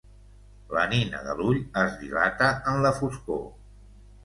La nina de l'ull es dilata en la foscor.